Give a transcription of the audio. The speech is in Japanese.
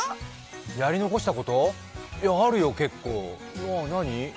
やり残したこと、あるよ結構何？